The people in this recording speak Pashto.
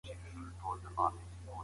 زه به سبا مکتب ته تياری وکړم.